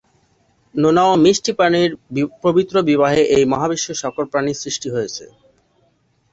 নোনা ও মিষ্টি পানির পবিত্র বিবাহে এই মহাবিশ্বের সকল প্রাণীর সৃষ্টি হয়েছে।